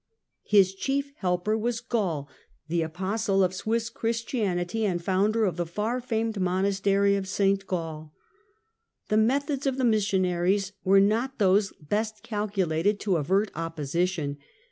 His chief helper was Gall — the apostle of Swiss Christianity and founder of the far famed monastery of St. Gall. The methods of the missionaries were not those best calculated to avert op position.